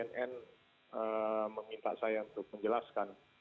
cnn meminta saya untuk menjelaskan